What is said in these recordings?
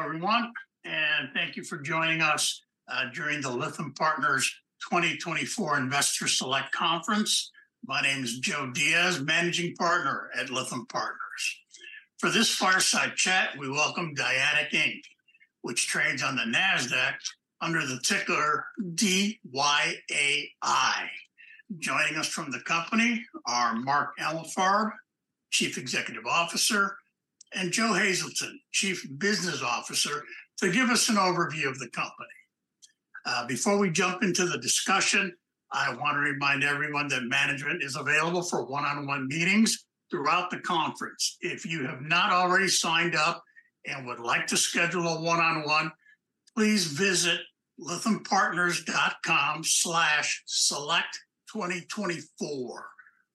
Hello, everyone, and thank you for joining us during the Lytham Partners 2024 Investor Select Conference. My name is Joe Diaz, Managing Partner at Lytham Partners. For this Fireside Chat, we welcome Dyadic Inc., which trades on the Nasdaq under the ticker DYAI. Joining us from the company are Mark Emalfarb, Chief Executive Officer, and Joe Hazelton, Chief Business Officer, to give us an overview of the company. Before we jump into the discussion, I want to remind everyone that management is available for one-on-one meetings throughout the conference. If you have not already signed up and would like to schedule a one-on-one, please visit lythampartners.com/select2024.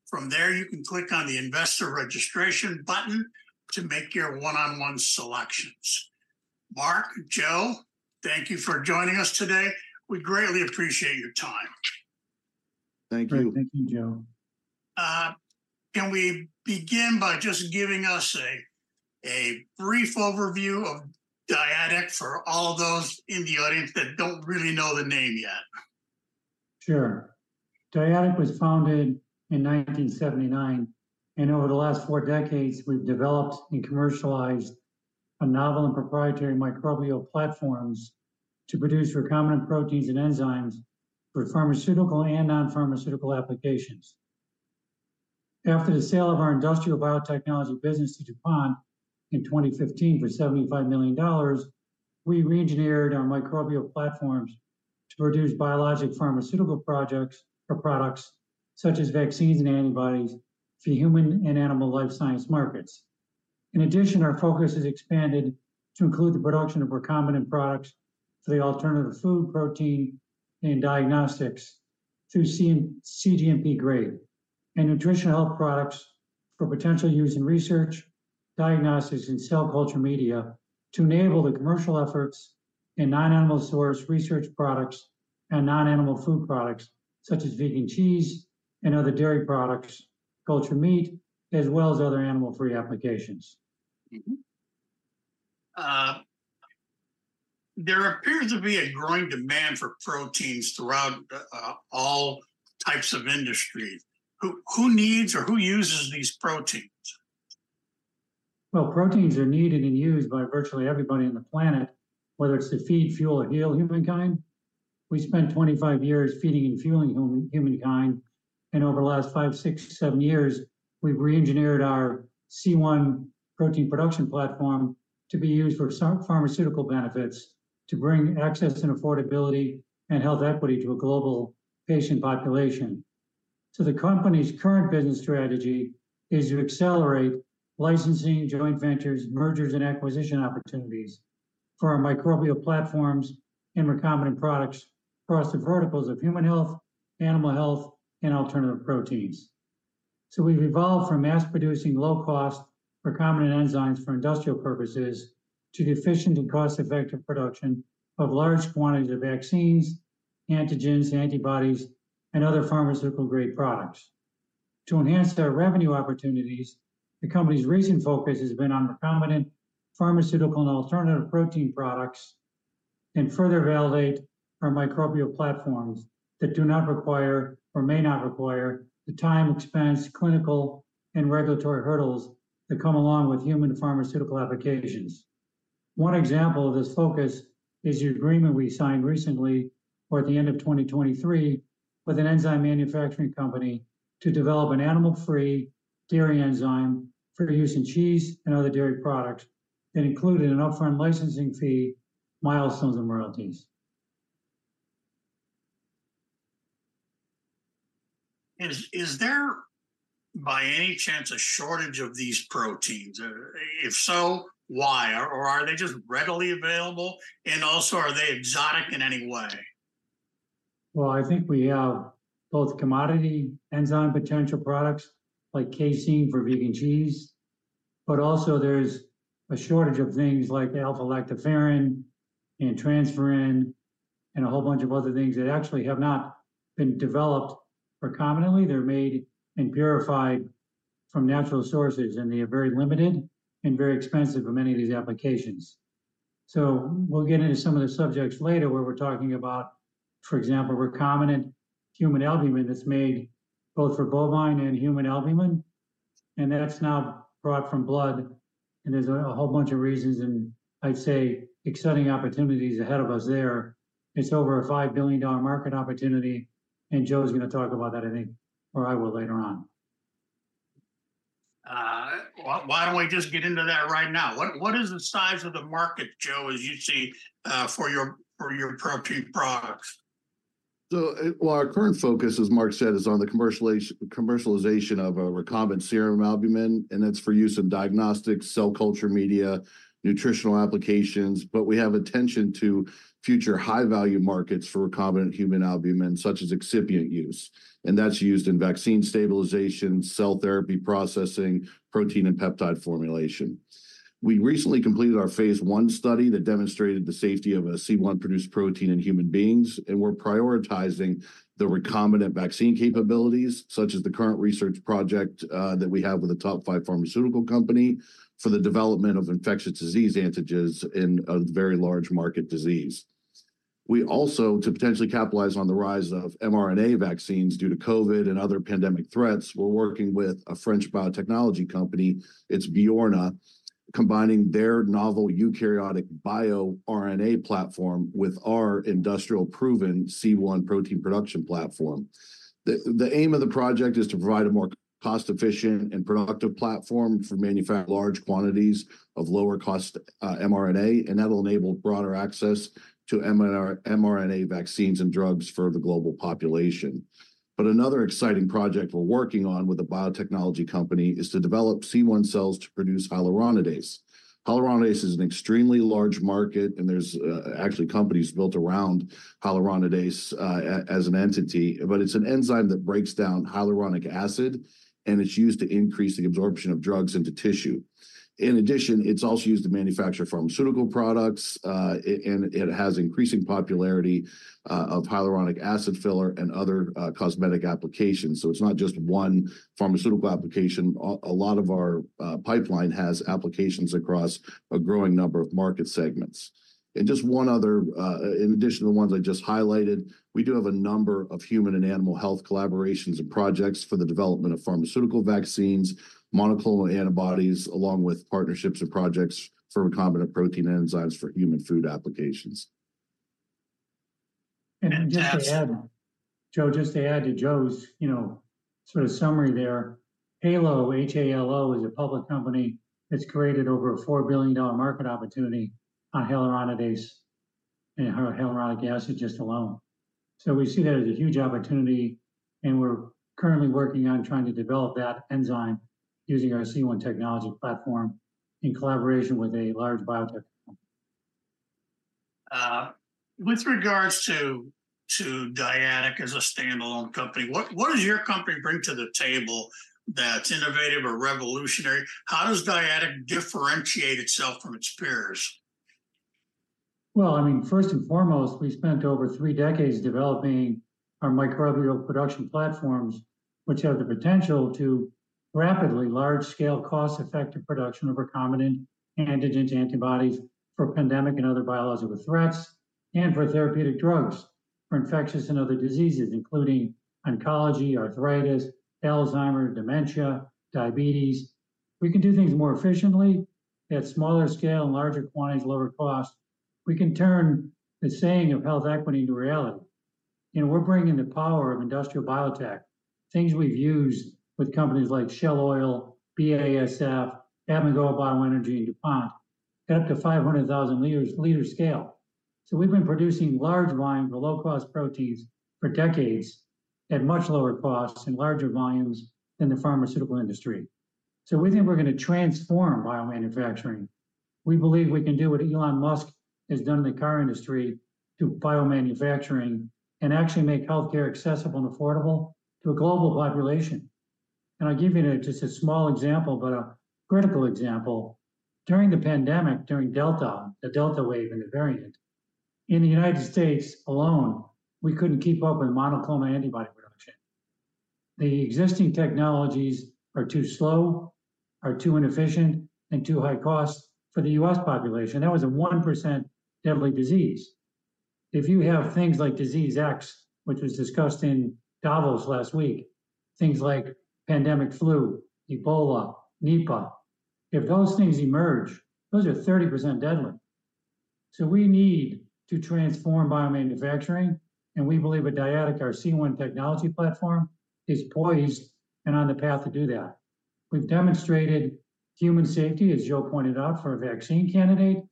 From there, you can click on the Investor Registration button to make your one-on-one selections. Mark, Joe, thank you for joining us today. We greatly appreciate your time. Thank you. Thank you, Joe. Can we begin by just giving us a brief overview of Dyadic for all those in the audience that don't really know the name yet? Sure. Dyadic was founded in 1979, and over the last four decades, we've developed and commercialized a novel and proprietary microbial platforms to produce recombinant proteins and enzymes for pharmaceutical and non-pharmaceutical applications. After the sale of our industrial biotechnology business to DuPont in 2015 for $75 million, we reengineered our microbial platforms to produce biologic pharmaceutical projects or products such as vaccines and antibodies for human and animal life science markets. In addition, our focus has expanded to include the production of recombinant products for the alternative food protein and diagnostics through cGMP grade, and nutritional health products for potential use in research, diagnostics, and cell culture media to enable the commercial efforts in non-animal source research products and non-animal food products, such as vegan cheese and other dairy products, cultured meat, as well as other animal-free applications. Mm-hmm. There appears to be a growing demand for proteins throughout all types of industry. Who needs or who uses these proteins? Well, proteins are needed and used by virtually everybody on the planet, whether it's to feed, fuel, or heal humankind. We spent 25 years feeding and fueling humankind, and over the last five, six, seven years, we've reengineered our C1 protein production platform to be used for pharmaceutical benefits, to bring access and affordability and health equity to a global patient population. So the company's current business strategy is to accelerate licensing, joint ventures, mergers, and acquisition opportunities for our microbial platforms and recombinant products across the verticals of human health, animal health, and alternative proteins. So we've evolved from mass producing low-cost recombinant enzymes for industrial purposes, to the efficient and cost-effective production of large quantities of vaccines, antigens, antibodies, and other pharmaceutical-grade products. To enhance their revenue opportunities, the company's recent focus has been on recombinant pharmaceutical and alternative protein products, and further validate our microbial platforms that do not require or may not require the time, expense, clinical and regulatory hurdles that come along with human pharmaceutical applications. One example of this focus is the agreement we signed recently, or at the end of 2023, with an enzyme manufacturing company to develop an animal-free dairy enzyme for use in cheese and other dairy products, and included an upfront licensing fee, milestones, and royalties. Is there, by any chance, a shortage of these proteins? Or if so, why? Or are they just readily available, and also, are they exotic in any way? Well, I think we have both commodity enzyme potential products, like casein for vegan cheese, but also there's a shortage of things like lactoferrin and transferrin, and a whole bunch of other things that actually have not been developed recombinantly. They're made and purified from natural sources, and they are very limited and very expensive for many of these applications. So we'll get into some of the subjects later, where we're talking about, for example, recombinant human albumin that's made both for bovine and human albumin, and that's now brought from blood, and there's a whole bunch of reasons, and I'd say exciting opportunities ahead of us there. It's over a $5 billion market opportunity, and Joe's going to talk about that, I think, or I will later on. Why don't we just get into that right now? What is the size of the market, Joe, as you see, for your protein products? So, well, our current focus, as Mark said, is on the commercialization of a recombinant serum albumin, and that's for use in diagnostics, cell culture media, nutritional applications, but we have attention to future high-value markets for recombinant human albumin, such as excipient use, and that's used in vaccine stabilization, cell therapy processing, protein and peptide formulation. We recently completed our phase I study that demonstrated the safety of a C1-produced protein in human beings, and we're prioritizing the recombinant vaccine capabilities, such as the current research project that we have with a top five pharmaceutical company, for the development of infectious disease antigens in a very large market disease. We also, to potentially capitalize on the rise of mRNA vaccines due to COVID and other pandemic threats, we're working with a French biotechnology company, it's bYoRNA, combining their novel eukaryotic bioRNA platform with our industrial proven C1 protein production platform. The aim of the project is to provide a more cost-efficient and productive platform for manufacture large quantities of lower cost, mRNA, and that'll enable broader access to mRNA vaccines and drugs for the global population. But another exciting project we're working on with a biotechnology company is to develop C1 cells to produce hyaluronidase. Hyaluronidase is an extremely large market, and there's actually companies built around hyaluronidase as an entity, but it's an enzyme that breaks down hyaluronic acid, and it's used to increase the absorption of drugs into tissue. In addition, it's also used to manufacture pharmaceutical products, it... It has increasing popularity of hyaluronic acid filler and other cosmetic applications. So it's not just one pharmaceutical application. A lot of our pipeline has applications across a growing number of market segments. Just one other in addition to the ones I just highlighted, we do have a number of human and animal health collaborations and projects for the development of pharmaceutical vaccines, monoclonal antibodies, along with partnerships and projects for recombinant protein enzymes for human food applications. And just to add, Joe, just to add to Joe's, you know, sort of summary there, HALO, H-A-L-O, is a public company that's created over a $4 billion market opportunity on hyaluronidase and hyaluronic acid just alone. So we see that as a huge opportunity, and we're currently working on trying to develop that enzyme using our C1 technology platform in collaboration with a large biotech company. With regards to Dyadic as a standalone company, what does your company bring to the table that's innovative or revolutionary? How does Dyadic differentiate itself from its peers? Well, I mean, first and foremost, we spent over three decades developing our microbial production platforms, which have the potential to rapidly large-scale, cost-effective production of recombinant antigens, antibodies for pandemic and other biological threats, and for therapeutic drugs for infectious and other diseases, including oncology, arthritis, Alzheimer's, dementia, diabetes. We can do things more efficiently at smaller scale and larger quantities, lower cost. We can turn the saying of health equity to reality, and we're bringing the power of industrial biotech, things we've used with companies like Shell Oil, BASF, Amoco Bio Energy, and DuPont, at up to 500,000 liters scale. So we've been producing large volume for low-cost proteins for decades, at much lower costs and larger volumes than the pharmaceutical industry. So we think we're gonna transform biomanufacturing. We believe we can do what Elon Musk has done in the car industry to biomanufacturing, and actually make healthcare accessible and affordable to a global population. And I'll give you just a small example, but a critical example. During the pandemic, during Delta, the Delta wave and the variant, in the United States alone, we couldn't keep up with monoclonal antibody production. The existing technologies are too slow, are too inefficient, and too high cost for the U.S. population. That was a 1% deadly disease. If you have things like Disease X, which was discussed in Davos last week, things like pandemic flu, Ebola, Nipah, if those things emerge, those are 30% deadly. So we need to transform biomanufacturing, and we believe at Dyadic, our C1 technology platform is poised and on the path to do that. We've demonstrated human safety, as Joe pointed out, for a vaccine candidate,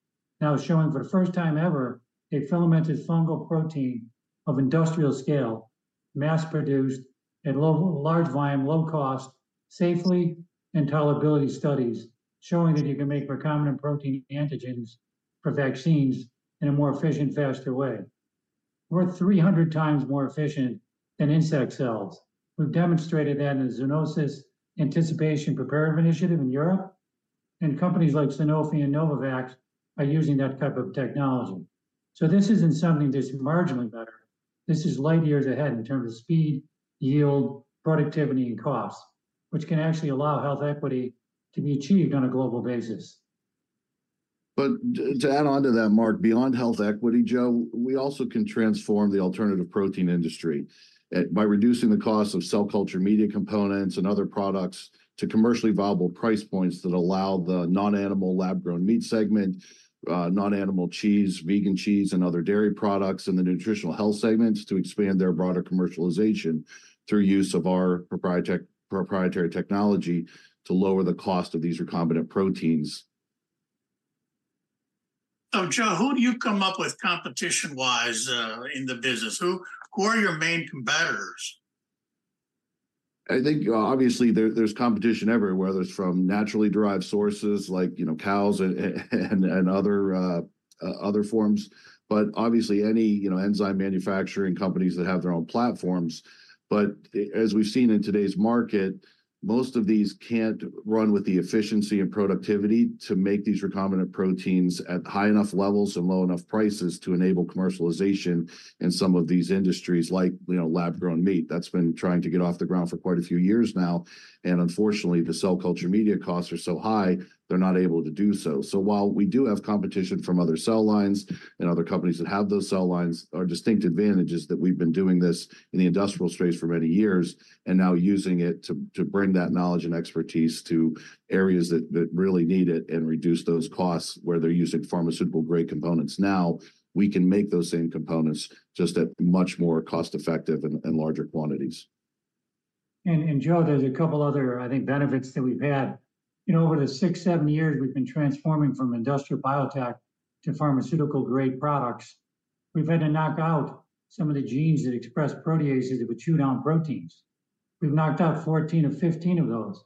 now showing for the first time ever, a filamentous fungal protein of industrial scale, mass-produced at low... large volume, low cost, safely and tolerability studies, showing that you can make recombinant protein antigens for vaccines in a more efficient, faster way. We're 300 times more efficient than insect cells. We've demonstrated that in the Zoonosis Anticipation Preparedness Initiative in Europe, and companies like Sanofi and Novavax are using that type of technology. So this isn't something that's marginally better. This is light years ahead in terms of speed, yield, productivity, and cost, which can actually allow health equity to be achieved on a global basis. But to add onto that, Mark, beyond health equity, Joe, we also can transform the alternative protein industry, by reducing the cost of cell culture media components and other products to commercially viable price points that allow the non-animal lab-grown meat segment, non-animal cheese, vegan cheese, and other dairy products in the nutritional health segments, to expand their broader commercialization through use of our proprietary technology to lower the cost of these recombinant proteins. So Joe, who do you come up with competition-wise, in the business? Who, who are your main competitors? I think, obviously there, there's competition everywhere, whether it's from naturally derived sources like, you know, cows and, and other, other forms, but obviously any, you know, enzyme manufacturing companies that have their own platforms. But as we've seen in today's market, most of these can't run with the efficiency and productivity to make these recombinant proteins at high enough levels and low enough prices to enable commercialization in some of these industries like, you know, lab-grown meat. That's been trying to get off the ground for quite a few years now, and unfortunately, the cell culture media costs are so high, they're not able to do so. So while we do have competition from other cell lines and other companies that have those cell lines, our distinct advantage is that we've been doing this in the industrial space for many years, and now using it to bring that knowledge and expertise to areas that really need it and reduce those costs where they're using pharmaceutical-grade components. Now, we can make those same components, just at much more cost-effective and larger quantities.... and Joe, there's a couple other, I think, benefits that we've had. You know, over the six, seven years we've been transforming from industrial biotech to pharmaceutical-grade products, we've had to knock out some of the genes that express proteases that would chew down proteins. We've knocked out 14 genes or 15 genes of those,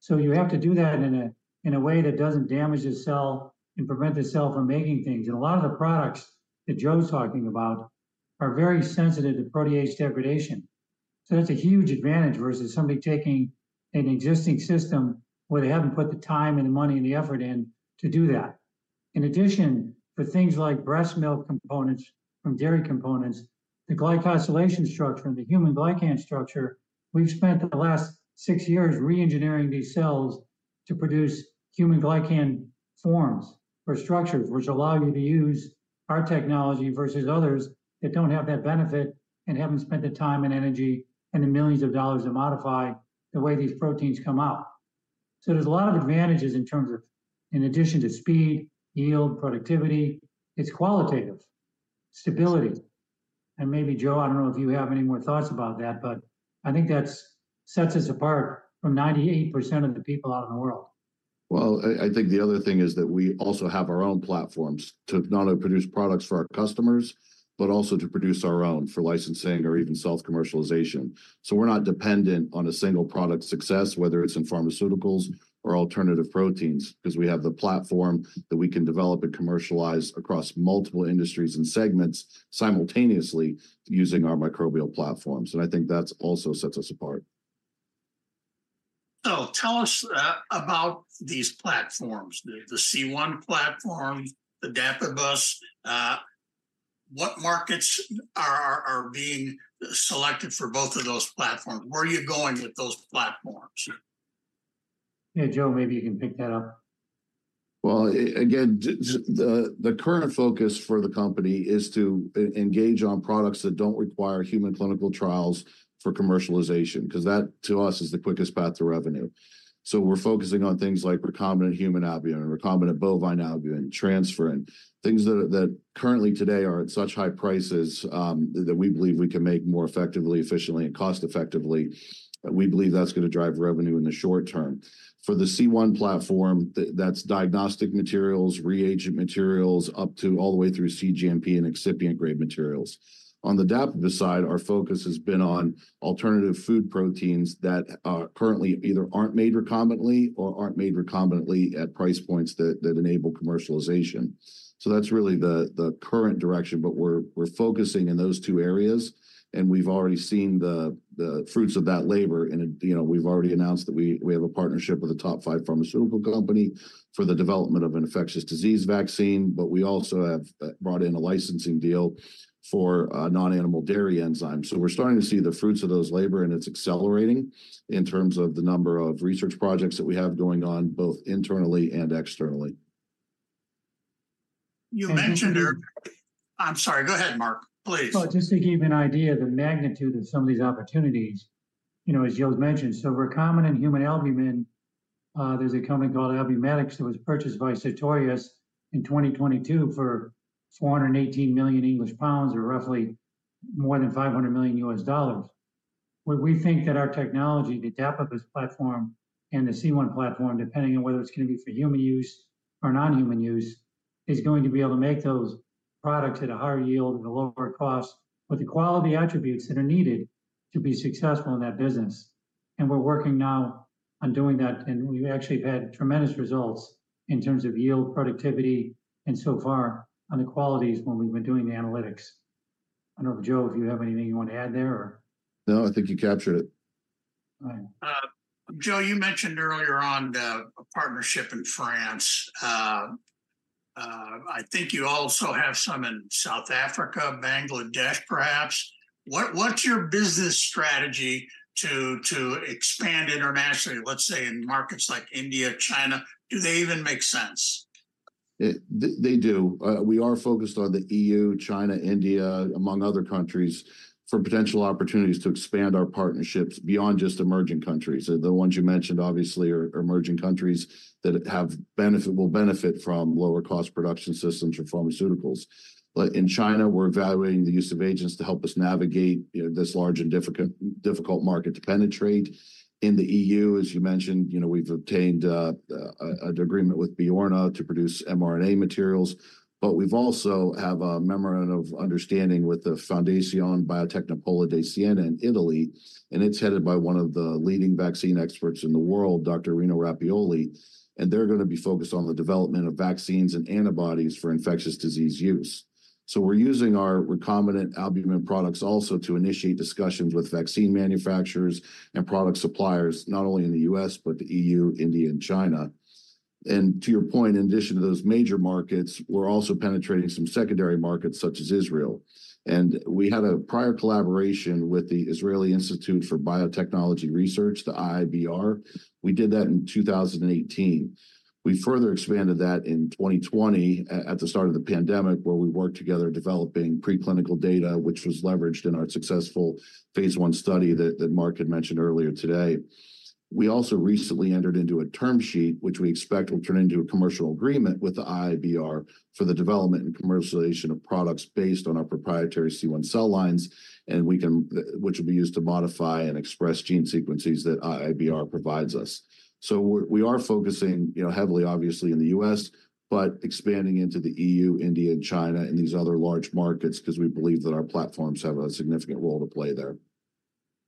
so you have to do that in a way that doesn't damage the cell and prevent the cell from making things, and a lot of the products that Joe's talking about are very sensitive to protease degradation. So that's a huge advantage versus somebody taking an existing system where they haven't put the time and the money and the effort in to do that. In addition, for things like breast milk components from dairy components, the glycosylation structure and the human glycan structure, we've spent the last six years reengineering these cells to produce human glycan forms or structures, which allow you to use our technology versus others that don't have that benefit and haven't spent the time and energy and the millions of dollars to modify the way these proteins come out. So there's a lot of advantages in terms of, in addition to speed, yield, productivity, it's qualitative, stability. And maybe Joe, I don't know if you have any more thoughts about that, but I think that's sets us apart from 98% of the people out in the world. Well, I think the other thing is that we also have our own platforms to not only produce products for our customers, but also to produce our own for licensing or even self-commercialization. So we're not dependent on a single product's success, whether it's in pharmaceuticals or alternative proteins, 'cause we have the platform that we can develop and commercialize across multiple industries and segments simultaneously using our microbial platforms, and I think that's also sets us apart. So tell us about these platforms, the C1 platform, the Dapibus. What markets are being selected for both of those platforms? Where are you going with those platforms? Yeah, Joe, maybe you can pick that up. Well, again, the current focus for the company is to engage on products that don't require human clinical trials for commercialization, 'cause that, to us, is the quickest path to revenue. So we're focusing on things like recombinant human albumin, and recombinant bovine albumin, transferrin, things that currently today are at such high prices, that we believe we can make more effectively, efficiently, and cost effectively. We believe that's gonna drive revenue in the short term. For the C1 platform, that's diagnostic materials, reagent materials, up to all the way through cGMP and excipient grade materials. On the Dapibus side, our focus has been on alternative food proteins that are currently either aren't made recombinantly or aren't made recombinantly at price points that enable commercialization. So that's really the current direction, but we're focusing in those two areas, and we've already seen the fruits of that labor. And, you know, we've already announced that we have a partnership with a top five pharmaceutical company for the development of an infectious disease vaccine, but we also have brought in a licensing deal for a non-animal dairy enzyme. So we're starting to see the fruits of those labor, and it's accelerating in terms of the number of research projects that we have going on, both internally and externally. You mentioned. I'm sorry. Go ahead, Mark, please. Well, just to give you an idea of the magnitude of some of these opportunities, you know, as Joe's mentioned, so recombinant human albumin, there's a company called Albumedix that was purchased by Sartorius in 2022 for 418 million pounds, or roughly more than $500 million. Well, we think that our technology, the Dapibus platform and the C1 platform, depending on whether it's gonna be for human use or non-human use, is going to be able to make those products at a higher yield and a lower cost, with the quality attributes that are needed to be successful in that business. And we're working now on doing that, and we've actually had tremendous results in terms of yield, productivity, and so far on the qualities when we've been doing the analytics. I don't know, Joe, if you have anything you want to add there or...? No, I think you captured it. All right. Joe, you mentioned earlier a partnership in France. I think you also have some in South Africa, Bangladesh, perhaps. What's your business strategy to expand internationally, let's say, in markets like India, China? Do they even make sense? They do. We are focused on the EU, China, India, among other countries, for potential opportunities to expand our partnerships beyond just emerging countries. The ones you mentioned, obviously, are emerging countries that will benefit from lower cost production systems or pharmaceuticals. But in China, we're evaluating the use of agents to help us navigate, you know, this large and difficult market to penetrate. In the EU, as you mentioned, you know, we've obtained an agreement with bYoRNA to produce mRNA materials, but we've also have a memorandum of understanding with the Fondazione Biotecnopolo di Siena in Italy, and it's headed by one of the leading vaccine experts in the world, Dr. Rino Rappuoli, and they're gonna be focused on the development of vaccines and antibodies for infectious disease use. So we're using our recombinant albumin products also to initiate discussions with vaccine manufacturers and product suppliers, not only in the U.S., but the E.U., India, and China. And to your point, in addition to those major markets, we're also penetrating some secondary markets, such as Israel, and we had a prior collaboration with the Israel Institute for Biological Research, the IIBR. We did that in 2018. We further expanded that in 2020 at the start of the pandemic, where we worked together, developing preclinical data, which was leveraged in our successful phase I study that Mark had mentioned earlier today. We also recently entered into a term sheet, which we expect will turn into a commercial agreement with the IIBR for the development and commercialization of products based on our proprietary C1 cell lines, and we can, which will be used to modify and express gene sequences that IIBR provides us. So we are focusing, you know, heavily obviously in the U.S., but expanding into the EU, India, and China, and these other large markets, 'cause we believe that our platforms have a significant role to play there.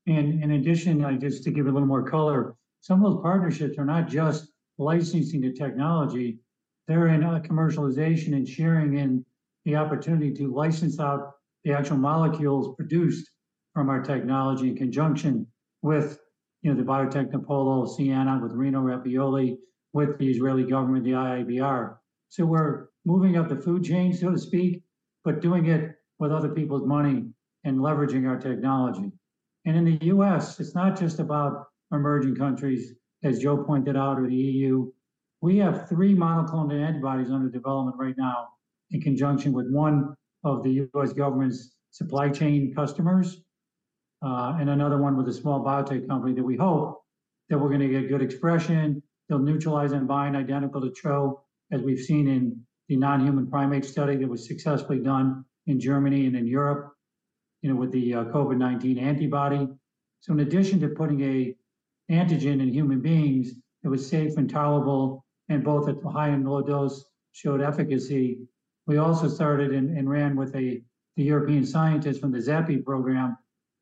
In addition, just to give it a little more color, some of those partnerships are not just licensing the technology, they're in on the commercialization and sharing in the opportunity to license out the actual molecules produced from our technology in conjunction with, you know, the Biotecnopolo di Siena, with Rino Rappuoli, with the Israeli government, the IIBR. So we're moving up the food chain, so to speak, but doing it with other people's money and leveraging our technology. And in the US, it's not just about emerging countries, as Joe pointed out, or the EU. We have three monoclonal antibodies under development right now in conjunction with one of the U.S. government's supply chain customers, and another one with a small biotech company that we hope that we're gonna get good expression, they'll neutralize and bind identical to CHO, as we've seen in the non-human primate study that was successfully done in Germany and in Europe, you know, with the COVID-19 antibody. So in addition to putting an antigen in human beings that was safe and tolerable and both at the high and low dose showed efficacy, we also started and ran with the European scientist from the ZAPI program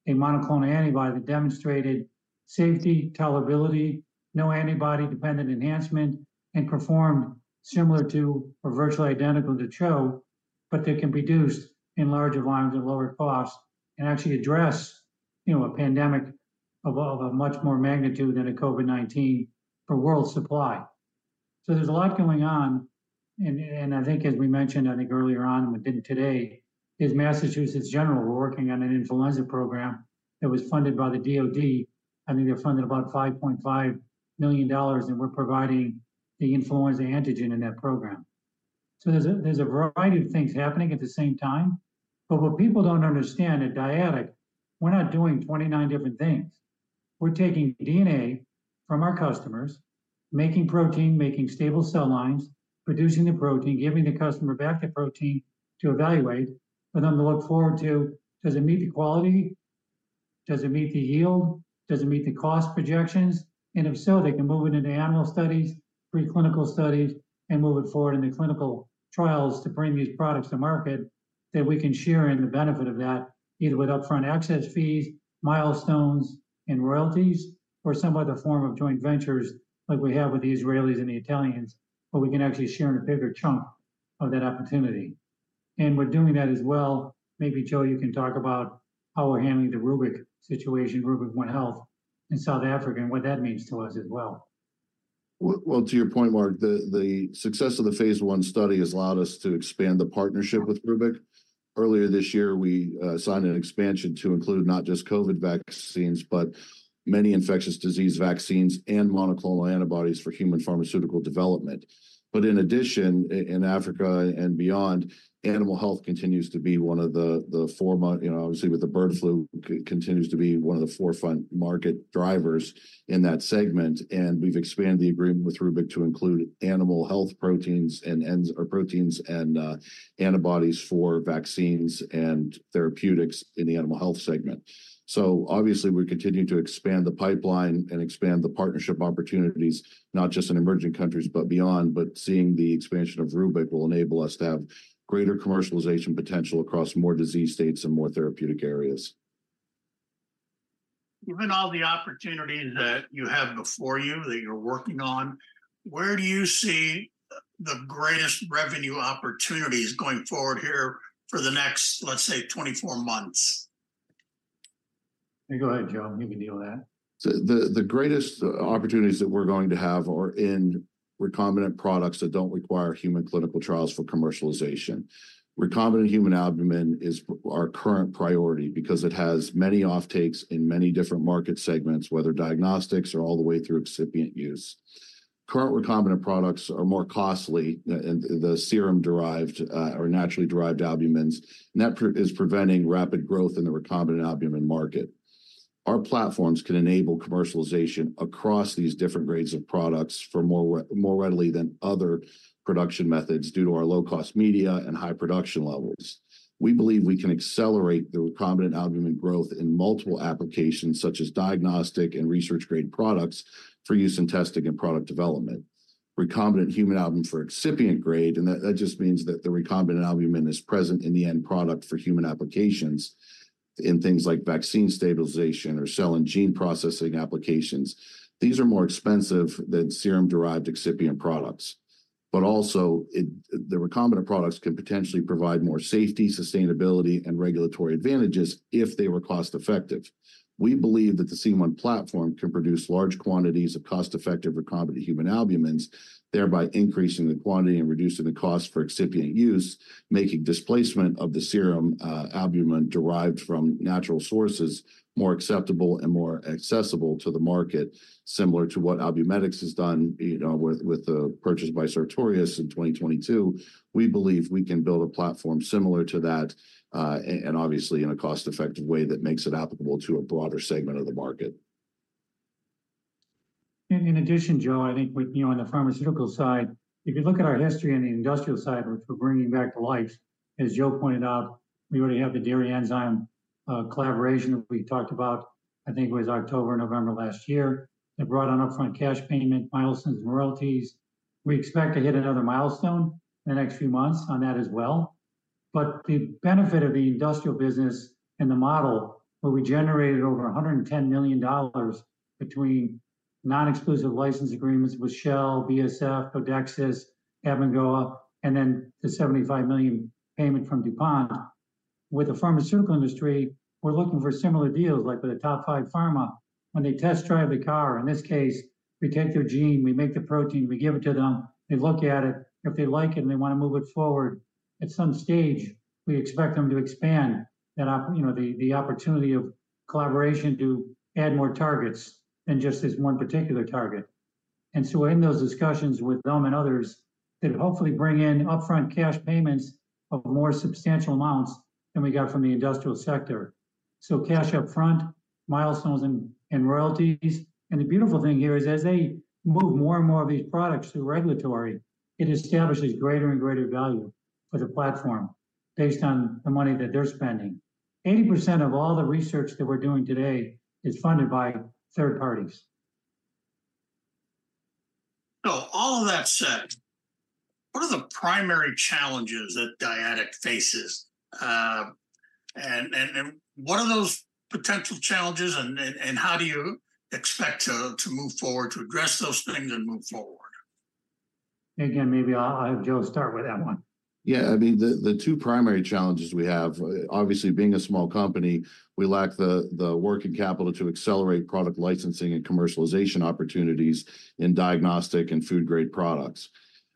a monoclonal antibody that demonstrated safety, tolerability, no antibody-dependent enhancement, and performed similar to or virtually identical to CHO, but that can be reduced in large volumes at lower cost and actually address, you know, a pandemic of a much more magnitude than a COVID-19 for world supply. So there's a lot going on, and I think as we mentioned, I think earlier on within today, Massachusetts General were working on an influenza program that was funded by the DOD. I think they're funded about $5.5 million, and we're providing the influenza antigen in that program. So there's a variety of things happening at the same time, but what people don't understand at Dyadic, we're not doing 29 different things. We're taking DNA from our customers, making protein, making stable cell lines, producing the protein, giving the customer back the protein to evaluate, for them to look forward to, does it meet the quality? Does it meet the yield? Does it meet the cost projections? And if so, they can move it into animal studies, preclinical studies, and move it forward into clinical trials to bring these products to market, that we can share in the benefit of that, either with upfront access fees, milestones, and royalties, or some other form of joint ventures like we have with the Israelis and the Italians, but we can actually share in a bigger chunk of that opportunity. And we're doing that as well... Maybe, Joe, you can talk about how we're handling the Rubic situation, Rubic One Health in South Africa, and what that means to us as well. Well, well, to your point, Mark, the success of the phase I study has allowed us to expand the partnership with Rubic. Earlier this year, we signed an expansion to include not just COVID vaccines, but many infectious disease vaccines and monoclonal antibodies for human pharmaceutical development. But in addition, in Africa and beyond, animal health continues to be one of the foremost, you know, obviously, with the bird flu, continues to be one of the forefront market drivers in that segment, and we've expanded the agreement with Rubic to include animal health proteins and enzymes, or proteins and antibodies for vaccines and therapeutics in the animal health segment. So obviously, we're continuing to expand the pipeline and expand the partnership opportunities, not just in emerging countries, but beyond. Seeing the expansion of Rubic will enable us to have greater commercialization potential across more disease states and more therapeutic areas. Given all the opportunities that you have before you, that you're working on, where do you see the greatest revenue opportunities going forward here for the next, let's say, 24 months? Go ahead, Joe, maybe you know that. So the greatest opportunities that we're going to have are in recombinant products that don't require human clinical trials for commercialization. Recombinant human albumin is our current priority because it has many off-takes in many different market segments, whether diagnostics or all the way through excipient use. Current recombinant products are more costly in the serum-derived or naturally derived albumins, and that is preventing rapid growth in the recombinant albumin market. Our platforms can enable commercialization across these different grades of products more readily than other production methods due to our low-cost media and high production levels. We believe we can accelerate the recombinant albumin growth in multiple applications, such as diagnostic and research-grade products, for use in testing and product development. Recombinant human albumin for excipient grade, and that just means that the recombinant albumin is present in the end product for human applications, in things like vaccine stabilization or cell and gene processing applications. These are more expensive than serum-derived excipient products, but also it, the recombinant products can potentially provide more safety, sustainability, and regulatory advantages if they were cost-effective. We believe that the C1 platform can produce large quantities of cost-effective recombinant human albumins, thereby increasing the quantity and reducing the cost for excipient use, making displacement of the serum, albumin derived from natural sources more acceptable and more accessible to the market, similar to what Albumedix has done, you know, with the purchase by Sartorius in 2022. We believe we can build a platform similar to that, and obviously in a cost-effective way that makes it applicable to a broader segment of the market.... and, in addition, Joe, I think with, you know, on the pharmaceutical side, if you look at our history on the industrial side, which we're bringing back to life, as Joe pointed out, we already have the dairy enzyme collaboration that we talked about, I think it was October or November last year. It brought on upfront cash payment, milestones, and royalties. We expect to hit another milestone in the next few months on that as well. But the benefit of the industrial business and the model, where we generated over $110 million between non-exclusive license agreements with Shell, BASF, Codexis, AbbVie, and then the $75 million payment from DuPont. With the pharmaceutical industry, we're looking for similar deals, like with the top five pharma. When they test drive the car, in this case, we take their gene, we make the protein, we give it to them, they look at it. If they like it, and they want to move it forward, at some stage, we expect them to expand and you know, the opportunity of collaboration to add more targets than just this one particular target. And so we're in those discussions with them and others that hopefully bring in upfront cash payments of more substantial amounts than we got from the industrial sector. So cash upfront, milestones, and royalties, and the beautiful thing here is, as they move more and more of these products through regulatory, it establishes greater and greater value for the platform based on the money that they're spending. 80% of all the research that we're doing today is funded by third parties. So all of that said, what are the primary challenges that Dyadic faces? And what are those potential challenges, and how do you expect to move forward to address those things and move forward? Again, maybe I'll have Joe start with that one. Yeah, I mean, the two primary challenges we have, obviously, being a small company, we lack the working capital to accelerate product licensing and commercialization opportunities in diagnostic and food-grade products.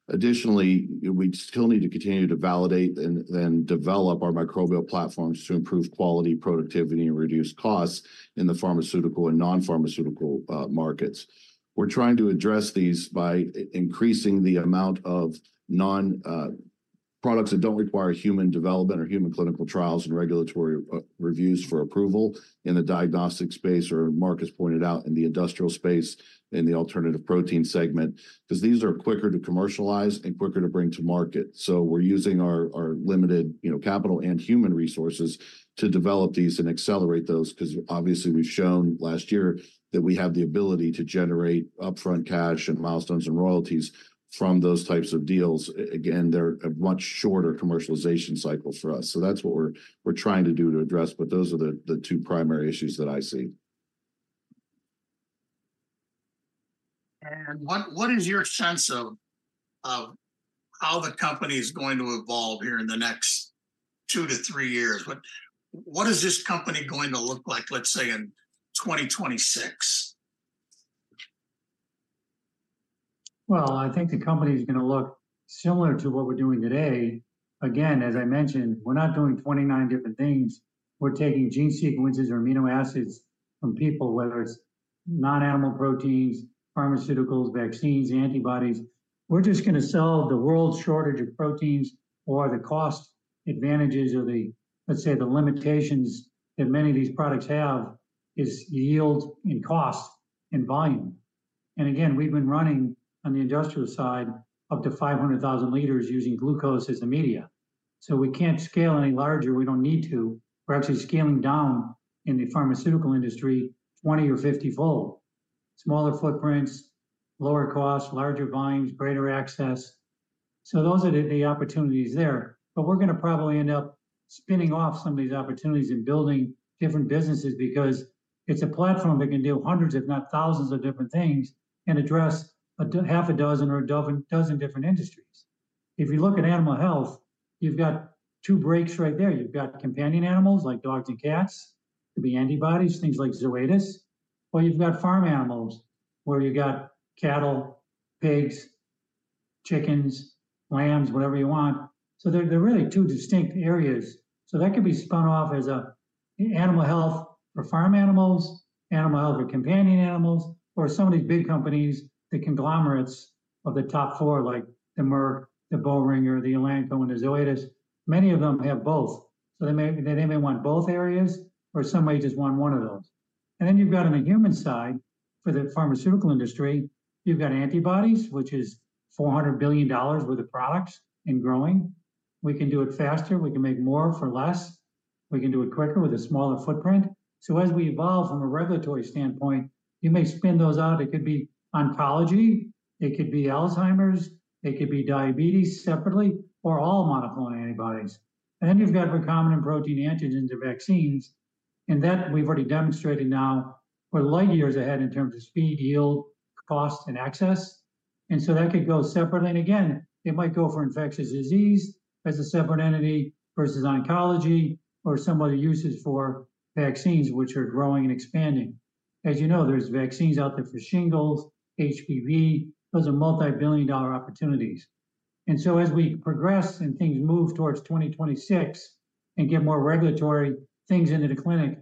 Additionally, we still need to continue to validate and develop our microbial platforms to improve quality, productivity, and reduce costs in the pharmaceutical and non-pharmaceutical markets. We're trying to address these by increasing the amount of non products that don't require human development or human clinical trials and regulatory reviews for approval in the diagnostic space, or Mark has pointed out, in the industrial space, in the alternative protein segment, 'cause these are quicker to commercialize and quicker to bring to market. So we're using our limited, you know, capital and human resources to develop these and accelerate those, 'cause obviously, we've shown last year that we have the ability to generate upfront cash and milestones and royalties from those types of deals. Again, they're a much shorter commercialization cycle for us. So that's what we're trying to do to address, but those are the two primary issues that I see. What, what is your sense of, of how the company is going to evolve here in the next two to three years? What, what is this company going to look like, let's say, in 2026? Well, I think the company is gonna look similar to what we're doing today. Again, as I mentioned, we're not doing 29 different things. We're taking gene sequences or amino acids from people, whether it's non-animal proteins, pharmaceuticals, vaccines, antibodies. We're just gonna solve the world's shortage of proteins or the cost advantages or the, let's say, the limitations that many of these products have is yield and cost and volume. And again, we've been running on the industrial side, up to 500,000 liters using glucose as a media. So we can't scale any larger, we don't need to. We're actually scaling down in the pharmaceutical industry 20- or 50-fold. Smaller footprints, lower costs, larger volumes, greater access, so those are the opportunities there. But we're gonna probably end up spinning off some of these opportunities and building different businesses because it's a platform that can do hundreds, if not thousands of different things and address half a dozen or a dozen, dozen different industries. If you look at animal health, you've got two breaks right there. You've got companion animals, like dogs and cats, could be antibodies, things like Zoetis, or you've got farm animals, where you've got cattle, pigs, chickens, lambs, whatever you want. So they're, they're really two distinct areas. So that could be spun off as animal health for farm animals, animal health for companion animals, or some of these big companies, the conglomerates of the top four, like the Merck, the Boehringer, the Elanco, and the Zoetis. Many of them have both, so they may, they may want both areas, or some may just want one of those. And then you've got on the human side, for the pharmaceutical industry, you've got antibodies, which is $400 billion worth of products and growing. We can do it faster, we can make more for less, we can do it quicker with a smaller footprint. So as we evolve from a regulatory standpoint, you may spin those out. It could be oncology, it could be Alzheimer's, it could be diabetes separately or all monoclonal antibodies. And then you've got recombinant protein antigens or vaccines, and that we've already demonstrated now. We're light years ahead in terms of speed, yield, cost, and access, and so that could go separately. And again, it might go for infectious disease as a separate entity versus oncology or some other uses for vaccines, which are growing and expanding. As you know, there's vaccines out there for shingles, HPV. Those are multi-billion dollar opportunities. And so as we progress and things move towards 2026 and get more regulatory things into the clinic,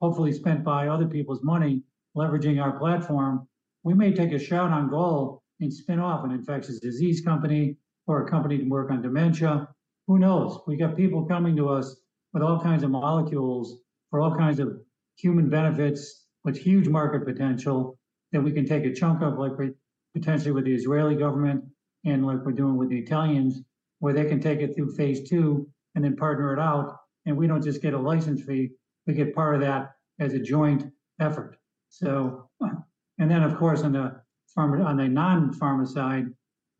hopefully spent by other people's money, leveraging our platform, we may take a shot on goal and spin off an infectious disease company or a company to work on dementia. Who knows? We've got people coming to us with all kinds of molecules for all kinds of human benefits, with huge market potential that we can take a chunk of, like we... potentially with the Israeli government and like we're doing with the Italians, where they can take it through phase two and then partner it out, and we don't just get a license fee, we get part of that as a joint effort. So, and then, of course, on the pharma... on the non-pharma side,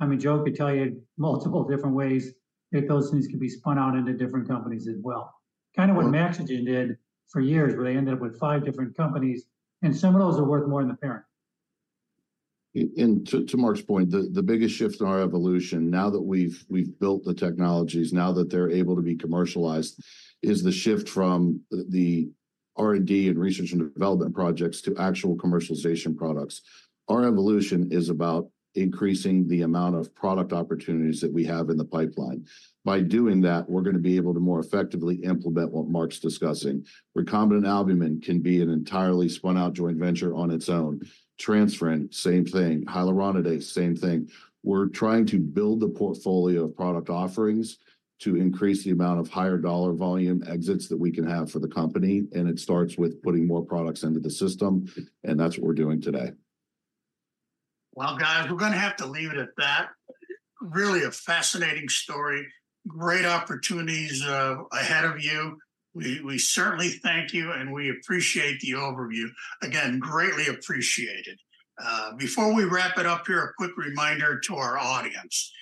I mean, Joe could tell you multiple different ways that those things can be spun out into different companies as well. Kind of what Maxygen did for years, where they ended up with five different companies, and some of those are worth more than the parent. To Mark's point, the biggest shift in our evolution, now that we've built the technologies, now that they're able to be commercialized, is the shift from the R&D and research and development projects to actual commercialization products. Our evolution is about increasing the amount of product opportunities that we have in the pipeline. By doing that, we're gonna be able to more effectively implement what Mark's discussing. Recombinant albumin can be an entirely spun-out joint venture on its own. Transferrin, same thing. Hyaluronidase, same thing. We're trying to build the portfolio of product offerings to increase the amount of higher dollar volume exits that we can have for the company, and it starts with putting more products into the system, and that's what we're doing today. Well, guys, we're gonna have to leave it at that. Really a fascinating story. Great opportunities ahead of you. We certainly thank you, and we appreciate the overview. Again, greatly appreciated. Before we wrap it up here, a quick reminder to our audience.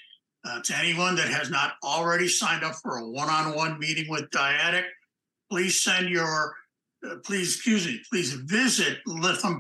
To anyone that has not already signed up for a one-on-one meeting with Dyadic, please, excuse me, please visit the Lytham